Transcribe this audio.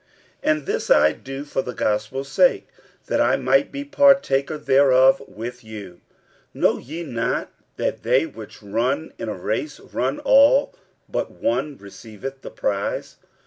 46:009:023 And this I do for the gospel's sake, that I might be partaker thereof with you. 46:009:024 Know ye not that they which run in a race run all, but one receiveth the prize?